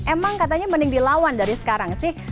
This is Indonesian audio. emang katanya mending dilawan dari sekarang sih